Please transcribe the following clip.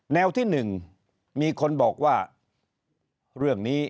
แนวที่๑มีคนบอกว่าเรื่องนี้